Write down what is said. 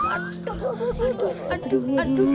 aduh aduh aduh